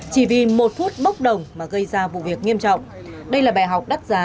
chỉ vì một phút bốc đồng mà gây ra vụ việc nghiêm trọng